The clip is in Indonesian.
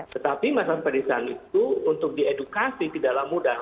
tetapi masalah pedesaan itu untuk diedukasi tidaklah mudah